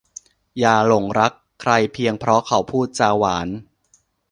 อย่าหลงรักใครเพียงเพราะเขาพูดจาหวาน